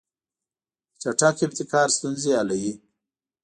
چټک ابتکار ستونزې حلوي.